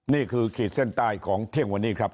ขีดเส้นใต้ของเที่ยงวันนี้ครับ